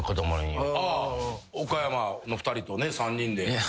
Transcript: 岡山の２人とね３人で。